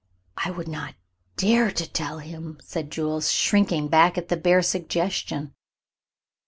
"I would not dare to tell him," said Jules, shrinking back at the bare suggestion.